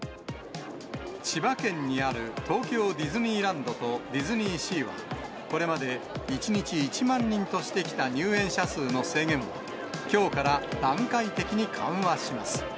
千葉県にある東京ディズニーランドとディズニーシーは、これまで１日１万人としてきた入園者数の制限を、きょうから段階的に緩和します。